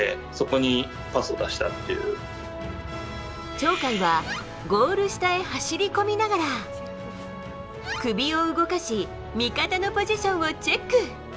鳥海はゴール下へ走り込みながら首を動かし味方のポジションをチェック。